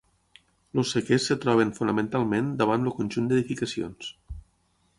Els sequers es troben fonamentalment davant el conjunt d'edificacions.